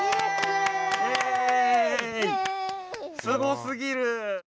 すごすぎる！